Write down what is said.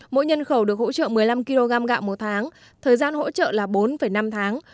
mỗi nhân khẩu được hỗ trợ một mươi năm kg gạo một tháng thời gian hỗ trợ là bốn năm tháng